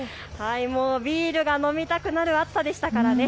ビールが飲みたくなる暑さでしたからね。